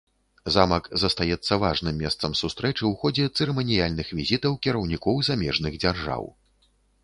Замак застаецца важным месцам сустрэчы ў ходзе цырыманіяльных візітаў кіраўнікоў замежных дзяржаў.